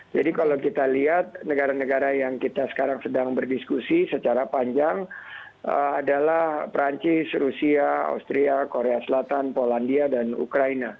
jadi kalau kita lihat negara negara yang kita sekarang sedang berdiskusi secara panjang adalah prancis rusia austria korea selatan polandia dan ukraina